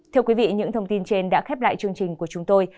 thưa quý vị những thông tin trên đã khép lại chương trình của chúng tôi